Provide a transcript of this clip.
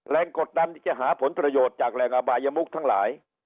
กดดันที่จะหาผลประโยชน์จากแรงอบายมุกทั้งหลาย